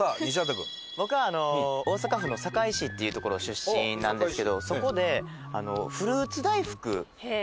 僕は大阪府の堺市っていう所出身なんですけどそこでフルーツ大福があって。